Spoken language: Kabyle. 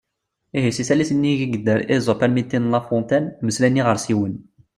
Ihi seg tallit-nni ideg yedder Esope armi d tin n La Fontaine “mmeslayen iɣersiwen”.